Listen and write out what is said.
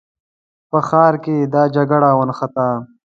په ښار کې د جګړه ونښته.